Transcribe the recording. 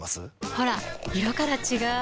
ほら色から違う！